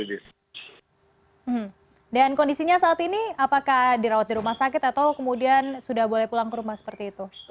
dan kondisinya saat ini apakah dirawat di rumah sakit atau kemudian sudah boleh pulang ke rumah seperti itu